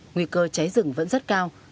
nguy cơ cháy rừng vẫn rất cao